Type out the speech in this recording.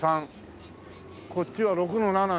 こっちは「６−７−４」。